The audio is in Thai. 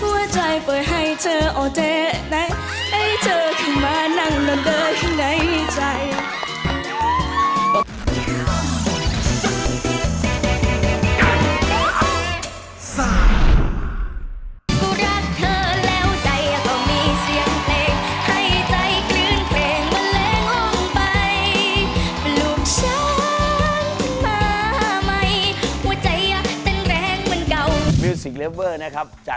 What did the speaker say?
หัวใจเต็นแรงเหมือนเก่า